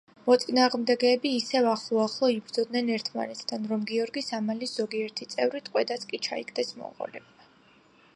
მოწინააღმდეგეები ისე ახლო-ახლო იბრძოდნენ ერთმანეთთან, რომ გიორგის ამალის ზოგიერთი წევრი ტყვედაც კი ჩაიგდეს მონღოლებმა.